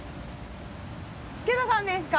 助田さんですか？